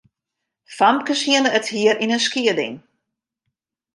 Famkes hiene it hier yn in skieding.